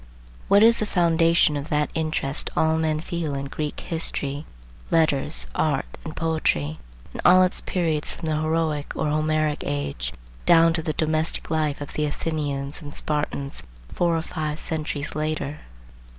What is the foundation of that interest all men feel in Greek history, letters, art, and poetry, in all its periods from the Heroic or Homeric age down to the domestic life of the Athenians and Spartans, four or five centuries later?